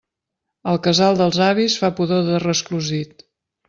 El casal dels avis fa pudor de resclosit.